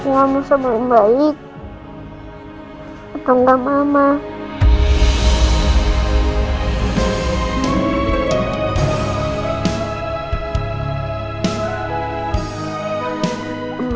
seth persis selatan kayaknya juga akan cucamu